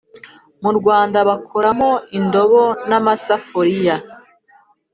mu Rwanda bakoramo indobo n’amasafuriya